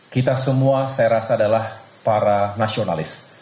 kita semua saya rasa adalah para nasionalis